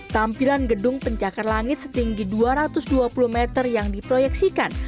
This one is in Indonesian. tampilan gedung pencakar langit setinggi dua ratus dua puluh meter yang diproyeksikan